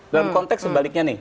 dalam konteks sebaliknya nih